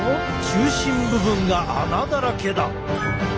中心部分が穴だらけだ！